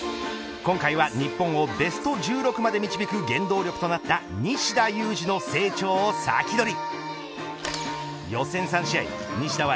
今回は、日本をベスト１６に導く原動力となった西田有志の成長を先取り。